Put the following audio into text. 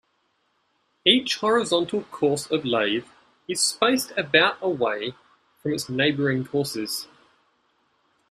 Each horizontal course of lath is spaced about away from its neighboring courses.